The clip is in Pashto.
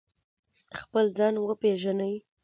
خپل ځان وپیژنئ